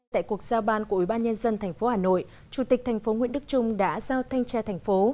tại cuộc giao ban của ubnd tp hà nội chủ tịch tp nguyễn đức trung đã giao thanh tra thành phố